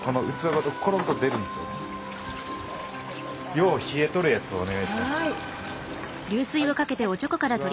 よう冷えとるやつをお願いします。